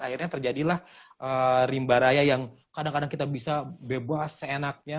akhirnya terjadilah rimba raya yang kadang kadang kita bisa bebas seenaknya